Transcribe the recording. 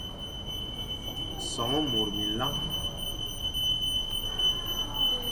Son môr minlañ,